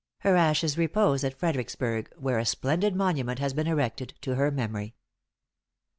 Her ashes repose at Fredericksburg, where a splendid monument has been erected to her memory. II.